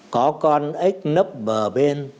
có con ếch nấp bờ bên